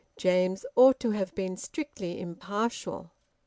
James ought to have been strictly impartial.